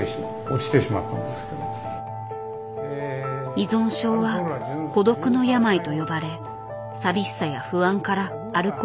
依存症は孤独の病と呼ばれ寂しさや不安からアルコールなどに頼り